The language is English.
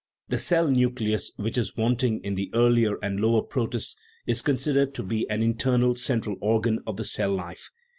The cell nucleus, which is wanting in the earlier and lower protists, is considered to be an internal central organ of the cell life.